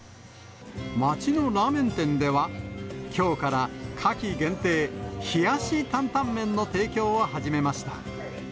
町のラーメン店では、きょうから、夏季限定冷やし担々麺の提供を始めました。